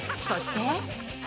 そして。